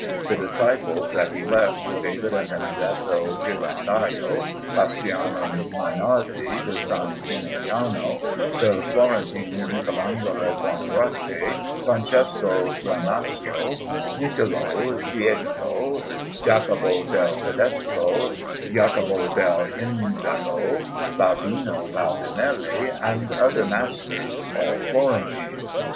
The disciples that he left were David and Benedetto Ghirlandajo, Bastiano Mainardi da San Gimignano, the Florentine Michelagnolo Buonarroti, Francesco Granaccio, Niccolò Cieco, Jacopo del Tedesco, Jacopo dell' Indaco, Baldino Baldinelli, and other masters, all Florentines.